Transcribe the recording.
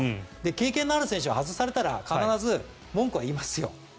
経験のある選手は外されたら必ず文句は言いますよ。